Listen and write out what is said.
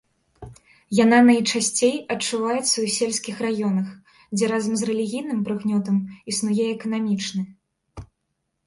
Яна найчасцей адчуваецца ў сельскіх раёнах, дзе разам з рэлігійным прыгнётам існуе эканамічны.